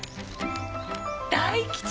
大吉！